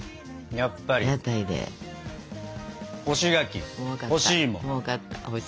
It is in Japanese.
やっぱり干し柿干し芋。